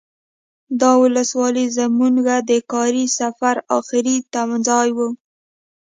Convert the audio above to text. دا ولسوالي زمونږ د کاري سفر اخري تمځای و.